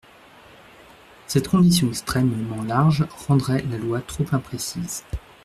Cette condition extrêmement large rendrait la loi trop imprécise.